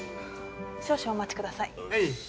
少々お待ちください。